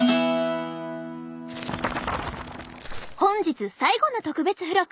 本日最後の特別付録。